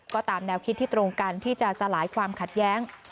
ก็ตามแนวคิดที่ตรงกันที่จะสลายความขัดแย้ง